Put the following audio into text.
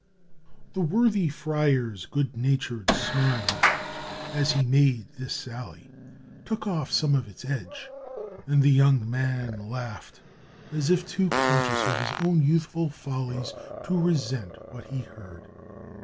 The worthy friar's good natured smile, as he made this sally, took off some of its edge ; and the young man laughed, as if too conscious of his own youthful follies to resent what he heard.